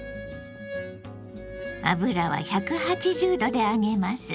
油は１８０℃で揚げます。